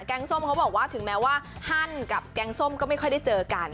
งส้มเขาบอกว่าถึงแม้ว่าฮั่นกับแกงส้มก็ไม่ค่อยได้เจอกัน